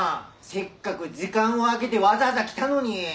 せっかく時間を空けてわざわざ来たのに。